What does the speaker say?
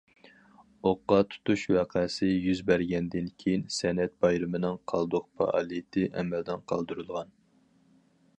ئوققا تۇتۇش ۋەقەسى يۈز بەرگەندىن كېيىن، سەنئەت بايرىمىنىڭ قالدۇق پائالىيىتى ئەمەلدىن قالدۇرۇلغان.